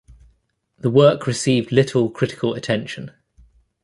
The work received little critical attention.